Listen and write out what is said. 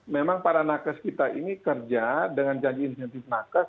memang para nakes kita ini kerja dengan janji insentif nakes